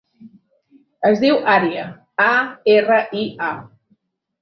Es diu Aria: a, erra, i, a.